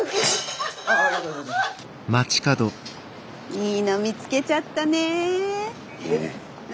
いいの見つけちゃったねえ。